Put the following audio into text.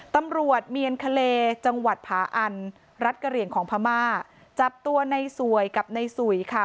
ตำรวจเมียนทะเลจังหวัดผาอันรัฐกะเหลี่ยงของพม่าจับตัวในสวยกับในสุยค่ะ